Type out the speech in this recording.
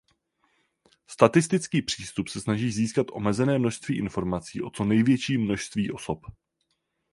Statistický přístup se snaží získat omezené množství informací o co největším množství osob.